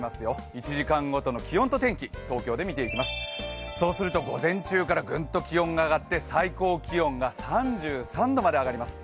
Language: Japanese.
１時間ごとの気温と天気を東京で見ていきますと、午前中からグッと気温が上がって最高気温が３３度まで上がります。